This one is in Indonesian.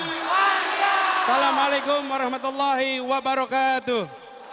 assalamualaikum warahmatullahi wabarakatuh